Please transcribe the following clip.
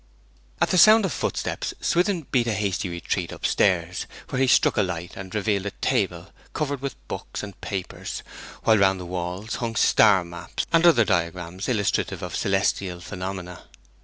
At the sound of footsteps Swithin beat a hasty retreat up stairs, where he struck a light, and revealed a table covered with books and papers, while round the walls hung star maps, and other diagrams illustrative of celestial phenomena.